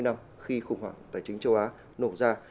bảy mươi năm khi khủng hoảng tài chính châu á nổ ra